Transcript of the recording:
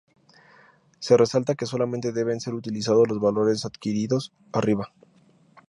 Se resalta que solamente deben ser utilizados los valores adquiridos arriba.